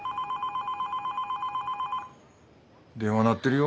電話鳴ってるよ。